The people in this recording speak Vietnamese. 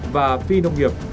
và phi nông nghiệp